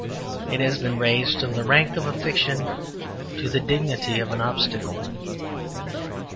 It has been raised from the rank of a fiction to the dignity of an obstacle.